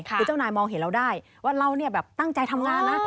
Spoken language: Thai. คือเจ้านายมองเห็นเราได้ว่าเราเนี่ยแบบตั้งใจทำงานนะ